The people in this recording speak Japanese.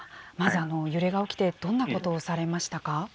まず揺れが起きて、どんなことをされましたか。